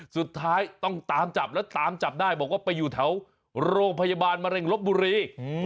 สุดท้ายต้องตามจับแล้วตามจับได้บอกว่าไปอยู่แถวโรงพยาบาลมะเร็งลบบุรี